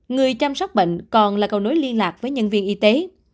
người chăm sóc bệnh còn là cầu nối liên lạc với nhân viên y tế